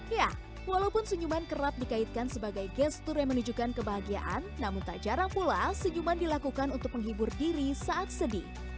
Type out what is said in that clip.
ya walaupun senyuman kerap dikaitkan sebagai gestur yang menunjukkan kebahagiaan namun tak jarang pula senyuman dilakukan untuk menghibur diri saat sedih